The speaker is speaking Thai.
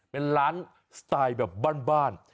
เป็นร้านสไตล์แบบบ้าน